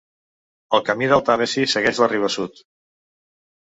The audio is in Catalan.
El Camí del Tàmesi segueix la riba sud.